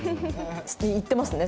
言ってますね